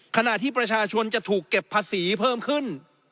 ขณะที่ประชาชนจะถูกเก็บภาษีเพิ่มขึ้น